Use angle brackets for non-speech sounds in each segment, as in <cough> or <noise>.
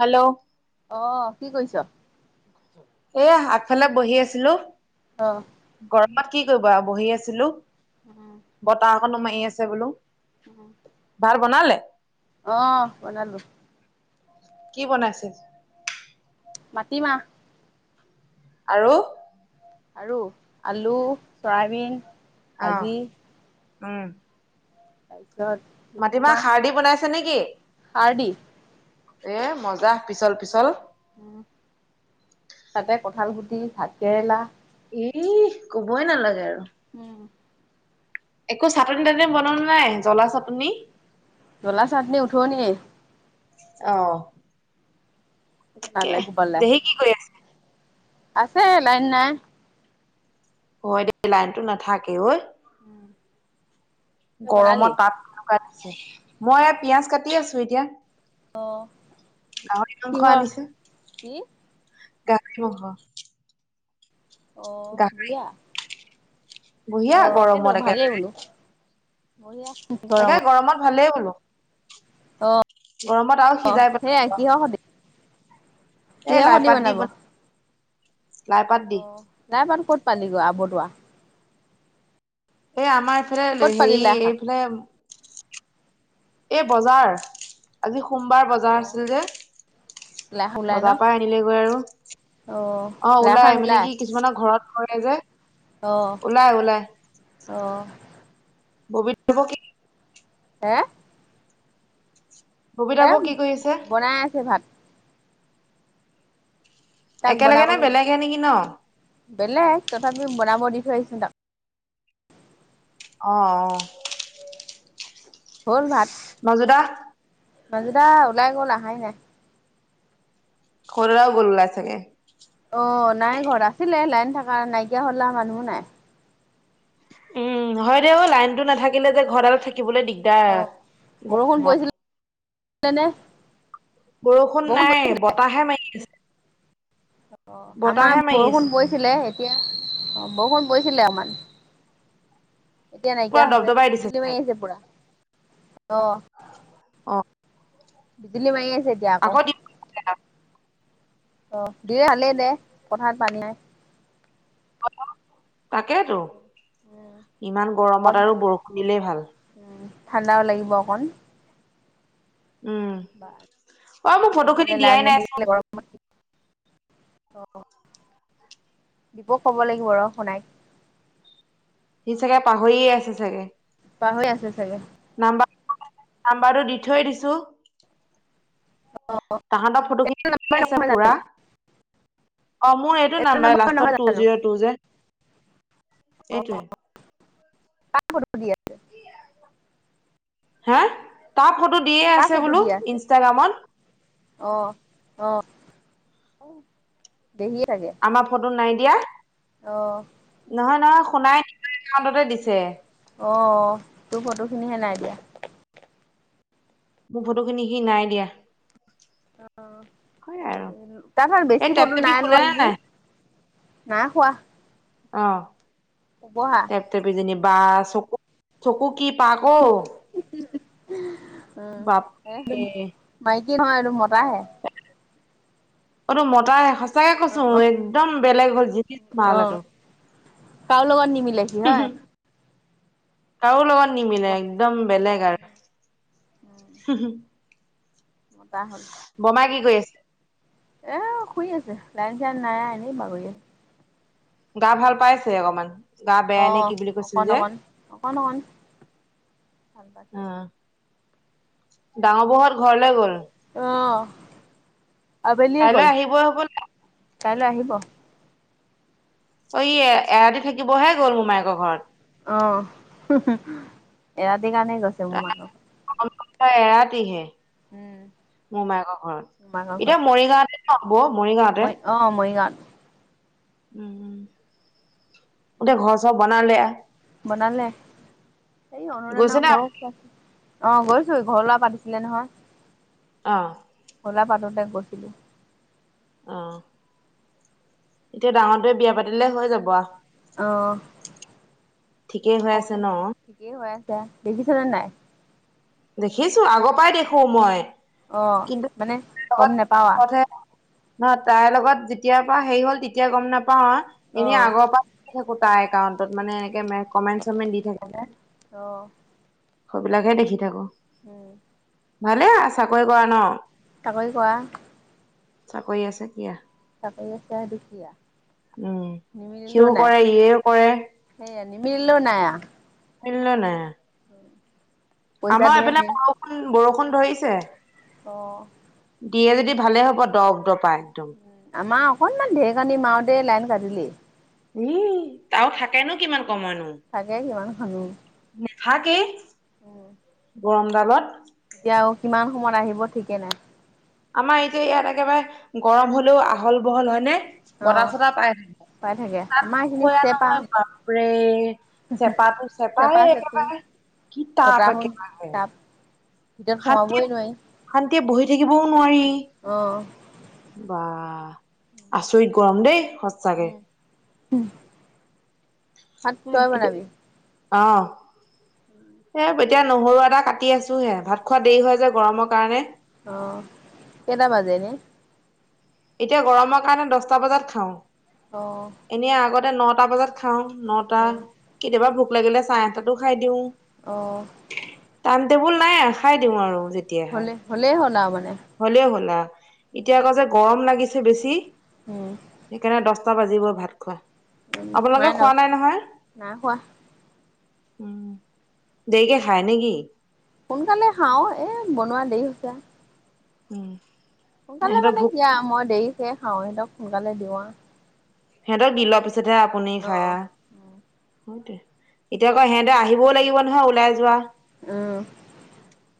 Hello. অ', কি কৰিছ? এয়া আগফালে বহি আছিলো। অ'। গৰমত কি কৰিবা বহি আছিলো বতাহ অকণো মাৰি আছে বোলো। উম। ভাত বনালে? অহ বনালো। কি বনাইছে? মাটি মাহঁ। আৰু? আৰু আলু চয়াবিন অ', ভাজি উম। তাৰপিছত মাটিমাহ খাৰ দি বনাইছে নে কি? খাৰ দি। এ মজা পিছল পিছল। ভজা। তাতে কঠালগুটি ভাত কেৰেলা ইহ ক'বই নালাগে আৰু। উম। একো চাটনি তাটনি বনোৱা নাই জ্বলা চাটনি? জলা চাটনি উঠনিয়ে? অ'। তাকে বনালে গোপালে দেহি কি কৰি আছে? আছে লাইন নাই। হয় দে লাইনতো নাথাকে ঐ। উম। গৰমত তাপ এনেকুৱা দিছে মই পিয়াজ কাটি আছো এতিয়া। গাহৰি মাংস কিহৰ আনিছে কি গাহৰি মাংস। অ', গাহৰি দিয়া। বঢ়িয়া অ', সেইটো গৰমত ভালেই একেবাৰে বোলো বঢ়িয়া গৰমত। ভালেই বোলো অ', গৰমত আৰু সিজাই সেয়াই পেল কিহৰ সতি এই কিহৰ সতি লাইপাত দি বনাব? বনাম লাইপাত দি। নাই বাৰু ক'ত পালিগৈ আবৰতোৱা? এই আমাৰ এইফালে ক'ত পালি হেৰি লাই শাক? এইফালে এই বজাৰ আজি সোমবাৰ বজাৰ আছিল যে। লাই শাক ওলাই ন? বজাৰৰ পৰা আনিলেগৈ আৰু। অ'। অ', লাই শাক ওলাই মানে কি কিছুমানৰ ঘৰত কৰে যে অ', ওলাই ওলাই। অ ববিতা বৌ হে ববিতা এ বৌ কি কৰি আছে বনাই আছে ভাত তাক একেলগে নে বনাবলৈ বেলেগে নেকি ন বেলেগ তথাপিও বনাব দি থৈ আহিছো তাক অ অ হল ভাত মাজুদা মাজদা ওলাই গল আহাই নাই সৰুদাদাও গল ওলাই চাগে অ নাই ঘৰত আছিলে লাইন থকা নাইকিয়া হল আ মানুহো নাই উম হয় দে অ লাইনটো নাথাকিলে যে ঘৰডালত থাকিবলৈ দিগদা অ বৰষুণ পৰিছিলে নে বৰষুণ নাই বতাহে মাৰি আছে অ আমাৰ মাৰি বৰষুণ আছে পৰিছিলে এতিয়া অ বৰষুণ পৰিছিলে অকমান এতিয়া পুৰা নাইকিয়া হৈছে দবদবাই দিছে বিজুলী চাগে মাৰি আছে পুৰা অ অ বিজলী মাৰি আছে এতিয়া আকৌ অ দিলে ভালেইদে পথাৰত পানী নাই তাকেইতো উম ইমান অকণ গৰমত আৰু বৰষুণ দিলেই ভাল ঠাণ্ডাও লাগিব অকণ উম বা অ মোক ফটো খিনি নহ'লে লাইন দিয়াই নাইচোন <unintelligible> অ দীপক কব লাগিব ৰ শুনাই সি চাগে পাহৰিয়ে আছে চাগে পাহৰি আছে চাগে নাম্বাৰ নাম্বাৰটো দি থৈ দিছো তাহাতৰ ফটো খিনি এইটো দি নম্বৰ আছে নহয় পুৰা জানো অ মোৰ এইটো নাম্বাৰ নম্বৰ নহয় লাষ্টত টু জানো জিঅ টু জে এইটোৱে কাক ফটো দিয় হা কাক ফটো দিয়ে কাৰ আছে ফটো বোলো দি আছে ইনষ্টাগ্ৰামত অ অ দেহিয়ে ছাগেই আমাৰ ফটো নাই দিয়া অ নহয় নহয় শুনাই এটা একাউণ্টতে দিছে অ তোৰ ফটোখিনিহে নাই দিয়া মোৰ ফটো খিনি সি নাই দিয়া অ হয় কব আৰু লাগিব তাত ঠাইত এই বেছি টেপ ফটো টেপি নাই খোলে লোৱা নে নেকি নাই নাই খোৱা অ হব হা ইহঁতে দুইজনি বা চকু কি পাকঅ উম এ বাপৰে মাইকী নহয় এইটো মতাহে এইতো মতাই সচাকে কৈছো অ', একদম বেলেগ হ'ল জিনিচ মাল এইটো কাও লগত নিমিলে সি হয় কাৰো লগত নিমিলে একদম বেলেগ আৰু মতা হল বোমা কি গৈ আছে এ শুই আছছে লাইন চাইন নাই এনেই বাগৰিাত গা ভাল পাইছে অকমান গা বেয়াাই নে অ', কি বুলি কৈছিল অকণ যে অকণ অকণ অকণ ভাল পাইছে অ ডাঙৰ বহত ঘৰলৈ গ'ল অ আবেলিয়ে কাইলৈ গ'ল আহিবই হবলা কাইলৈ আহিব অ ই এৰা দি থাকিবহে গ'ল মোমায়েকৰ ঘৰত অ এৰাতিৰ কাৰণেই গৈছে মোৰ মানহৰ এৰাতিহে উম, মোৰ মায়েকৰ ঘৰত মোৰ মাকৰ এতিয়া মৰিগাঁাৱতে হব মৰিগাওতে অঁ মৰিগাঁৱ উম গোটেই ঘৰ চব বনাইালে বনালে এই গৈছে অননান নে ঘৰ অ গৈছো ঘৰ ল'ৰা পাতিছিলে নহয় অ 'লা পাতোতে গৈছিলো অ এতিয়া ডাঙৰ দয়ে বিয়া পাতিলে হৈ যাব অ', ঠিকেই হৈ আছে ন কি হৈ আছা দেখিছনেে নাই দেখিছো আগৰ পৰাই দেখো মই অ কিন্তু মানে গম লগ নোপাৱা ন তাইৰ লগত যেতিয়াৰ পৰা হেৰি হ'ল তেতিয়া গম নাপাও অ এনে আগৰ পৰা থাকো তাৰ একাউণ্টত মানে এনেকে কমেণ্ট চমেণ্ট দি থাকে যে অ সেইবিলাকে দেখি থাকো উম ভালে চাকৰি কৰা ন তাকেই কোৱা চাকৰি আছে কিয় তাপ এছে দুখীয়া উম সিও কৰে ইয়েও কৰে সেইয়ান মিলিল ন পল নে আমাৰ পইচাটোহে এপিনে মেইন বৰষুণ বৰষুণ ধৰিছে অঁ দিয়ে যদি ভালে হ'ব দব দপা একদম আমাৰ অকনমান ঢেৰকানি মাও দে লাইন কাটিলি উম ত থাকেনো কিমান কমাইনো তাগে কিমান খানো নেভাগে <unintelligible> গৰমডালত এতিয়াও কিমান সময়ত আহিব ঠিকে নাই আমাৰ এতিয়া ইয়াত একেবাৰে গৰম হলেও আহল বহল হয়নেে অ বতাহ চতাহ পাই পাই থাকে আমাৰ এইখিনি তাতষয়া চেপা নহয় বাপৰে চেপাটো চেপা হ একেবাৰে কি তাপ বতাহো কেেবা তাপ ভিতৰত সোমাবই শান্তিত নোৱাৰি শান্তিয়ে বহি থাকিবও নোৱাৰি অঁ বা আচৰিত গৰম দেই সচ চাগে উম ভাত তই বনাবি অ এ এতিয়া নহৰু এটা কাটি আছো হে ভাত খোৱা দেৰি হয় যে গৰমৰ কাৰণে অ কেইটা বাজে নে? এতিয়া গৰমৰ কাৰণে দছটা বজাত খাওঁ। অ। এনেই আগতে নটা বজাত খাও নটা কেতিয়াবা ভোক লাগিলে চাৰে আঠটাতো খাই দিওঁ। অঁ। টাইম টেবুল নাই খাই দিওঁ আৰু যে হ'লে হ'লেই হ'ল না মানে। হ'লে শুনা উম এতিয়া আকৌ যে গৰম লাগিছে বেছি। উম। সেইকাৰণে দছটা বাজিব ভাত খোৱা। আপোনালোকে খোৱা নাই নহয়? নাই খোৱা উম দেৰিকে খাই নেকি? সোনকালে খাওঁ এ বনোৱা দেৰি হৈছে উম। সোনকালে ইহঁতৰ মানে ভোক কিয়া মই দেৰিকে খাওঁ সিহঁতক সোনকালে দিওঁ আৰু। সিহঁতক দি লোৱা পিছতহে আপুনি অঁ খাইয়া সেইতো এতিয়া আকৌ সিহঁতে আহিবও লাগিব নহয় ওলাই যোৱা। উম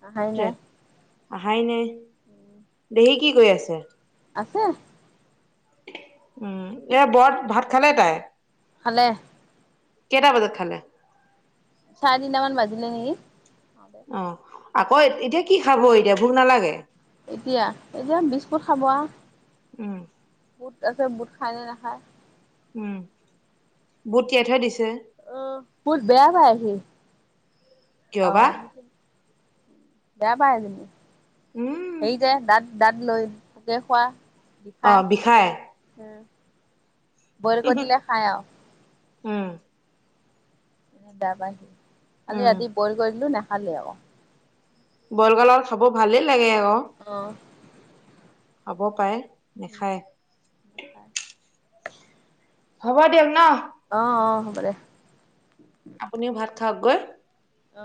অহাই সেইটোৱে নাই। আহাই নাই। দেহি কি কৰি আছে? আছে। উম এ বৰ ভাত খালে তাই? খালে। কেটা বোজাত খালে? চাৰে তিনিটামান বাজিলে নেকি? খাওঁতে। অ আকৌ এতিয়া কি খাব এতিয়া ভোক নালাগে? এতিয়া এতিয়া বিস্কুট খাব আৰু। উম। বুত আছে বুট খাইনে নাখায়। উম বুত তিয়াই থোই দিছে? আহ বুত বেয়া পাই হি কিয় বা আমাৰ। বেয়া পায় জানি উম সেই যে দাত দাত লৈ তাকে খোৱা। অঁ বিষাই। উম বইল কৰি দিলে খাই অ। অ। দাবা কালি উম ৰাতি বইল কৰি দিলো নাখালেও। বইল কৰিলে আৰু খাব ভালেই লাগে আকৌ। অঁ। খাব পাৰে নেখায়। নাই। হ'ব দিয়ক ন। অ অ হ'ব দে। আপুনিও ভাত খাওক গৈ। অ।